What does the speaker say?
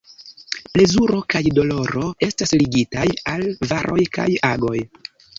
Plezuro kaj doloro estas ligitaj al varoj kaj agoj.